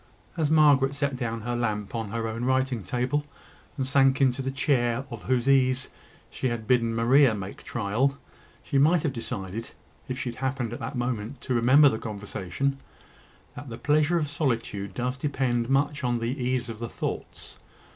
As Margaret set down her lamp on her own writing table, and sank into the chair of whose ease she had bidden Maria make trial, she might have decided, if she had happened at the moment to remember the conversation, that the pleasure of solitude does depend much on the ease of the thoughts.